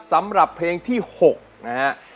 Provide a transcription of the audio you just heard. สำหรับเพลงที่๖นะฮะ